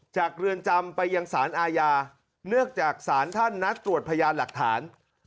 เรือนจำไปยังสารอาญาเนื่องจากศาลท่านนัดตรวจพยานหลักฐาน